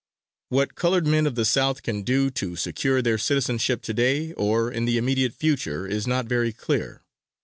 What colored men of the South can do to secure their citizenship to day, or in the immediate future, is not very clear.